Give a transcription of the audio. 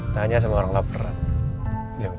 tanya sama orang yang lapar